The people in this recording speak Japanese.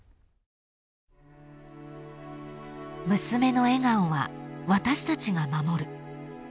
［娘の笑顔は私たちが守る］